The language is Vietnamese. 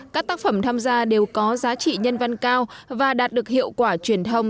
các tác phẩm tham gia đều có giá trị nhân văn cao và đạt được hiệu quả truyền thông